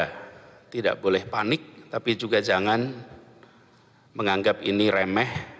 kita tidak boleh panik tapi juga jangan menganggap ini remeh